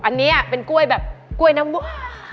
อันนี้เป็นกล้วยแบบกล้วยน้ำว้า